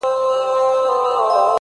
د مخ پر لمر باندي تياره د ښکلا مه غوړوه؛